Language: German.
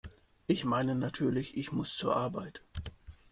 Ich meine natürlich, ich muss zur Arbeit!